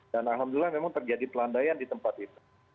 dan alhamdulillah memang terjadi pelandaian di tempat itu